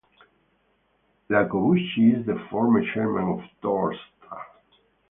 Iacobucci is the former chairman of Torstar.